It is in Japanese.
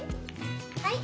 はい。